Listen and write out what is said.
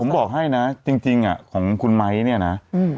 ผมบอกให้นะจริงอ่ะของคุณไม้เนี่ยนะ